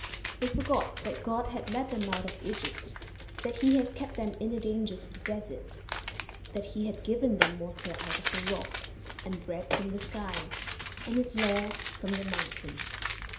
They forgot that God had led them out of Egypt, that he had kept them in the dangers of the desert, that he had given them water out of the rock, and bread from the sky, and his law from the mountain.